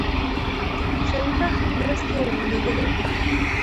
خلیفه هم مرستې ورولېږلې.